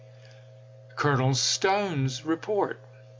ms. [Colonel Stone's Report.